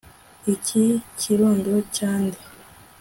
Iki kirundo cya nde